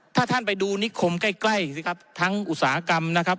ถ้าท่านไปดูนิคมใกล้ใกล้สิครับทั้งอุตสาหกรรมนะครับ